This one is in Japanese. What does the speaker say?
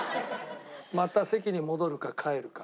また席に戻るか帰るか。